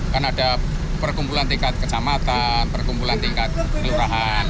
kan ada perkumpulan tingkat kecamatan perkumpulan tingkat kelurahan